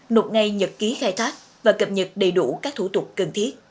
nộp ngay nhật ký khai thác và cập nhật đầy đủ các thủ tục cần thiết